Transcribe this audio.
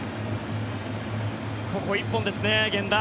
ここ１本ですね、源田。